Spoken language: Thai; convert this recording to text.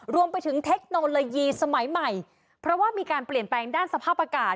รวมไปถึงเทคโนโลยีสมัยใหม่เพราะว่ามีการเปลี่ยนแปลงด้านสภาพอากาศ